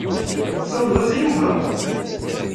Tessawleḍ-as i Yuba?